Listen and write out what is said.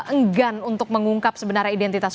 enggan untuk mengungkap sebenarnya identitas